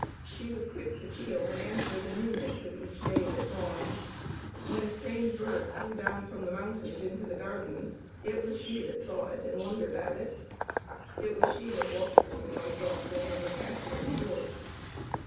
She was quick to feel and answer the newness of every day that dawned. When a strange bird flew down from the mountains into the gardens, it was she that saw it and wondered at it. It was she that walked with me most often in the path to the Source.